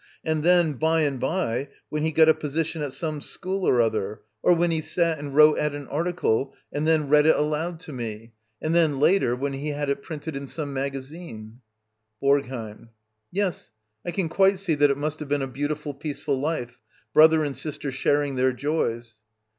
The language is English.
And then, by and by, when he got a position at some school or other. Or when he sat and wrote at an article and then read it aloud 88 d by Google Act iiL «s LITTLE EYOLF to me. And then later, when he had it printed in some magazine. BoRGHEiM. Yes, I can quite see that it must ih^e been a beautiful, peaceful life — brother and sister sharing their joys.